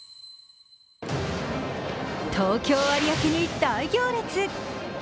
東京・有明に大行列。